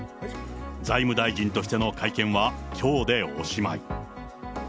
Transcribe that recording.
財務大臣としての会見はきょうでおしまい。